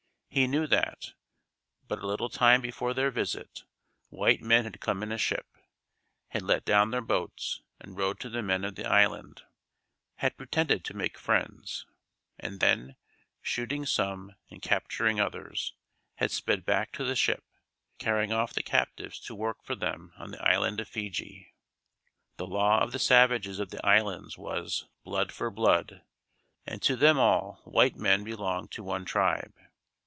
He knew that, but a little time before their visit, white men had come in a ship, had let down their boats and rowed to the men of the island, had pretended to make friends, and then, shooting some and capturing others, had sped back to the ship, carrying off the captives to work for them on the island of Fiji. The law of the savages of the islands was "Blood for blood." And to them all white men belonged to one tribe.